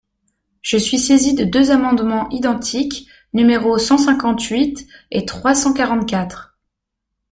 Je suis saisi de deux amendements identiques, numéros cent cinquante-huit et trois cent quarante-quatre.